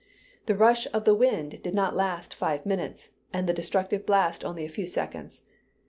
The rush of the wind did not last five minutes, and the destructive blast only a few seconds.